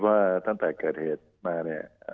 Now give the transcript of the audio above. ว่าตั้งแต่เกิดเหตุมาเนี่ย